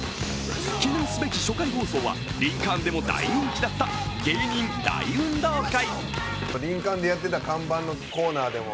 記念すべき初回放送は「リンカーン」でも大人気だった芸人大運動会。